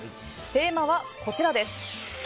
テーマはこちらです。